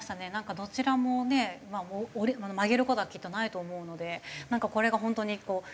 どちらもね曲げる事はきっとないと思うのでなんかこれが本当にこう。